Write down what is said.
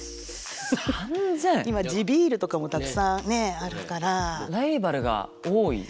今地ビールとかもたくさんねあるから。